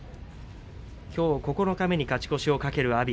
きょう九日目に勝ち越しを懸ける阿炎。